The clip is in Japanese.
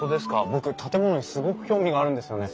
僕建物にすごく興味があるんですよね。